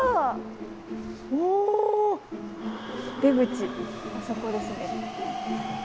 出口あそこですね。